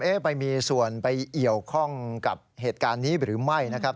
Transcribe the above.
ไปมีส่วนไปเกี่ยวข้องกับเหตุการณ์นี้หรือไม่นะครับ